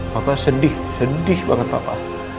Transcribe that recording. bapak sedih sedih banget papa